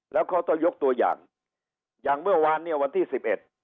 แล้วเขาต้องยกตัวอย่างอย่างเมื่อวานเนี่ยวันที่สิบเอ็ด